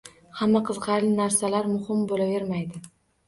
Hamma qiziqarli narsalar muhim bo‘lavermaydi.